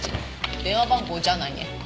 電話番号じゃないね。